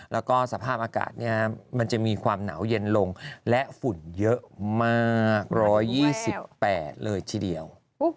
แล้วก็สภาพอากาศเนี้ยมันจะมีความหนาวเย็นลงและฝุ่นเยอะมากรอยยี่สิบแปดเลยทีเดียว